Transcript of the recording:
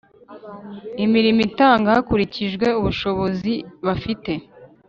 imirimo itangwa hakurikijwe ubushobozi bafite.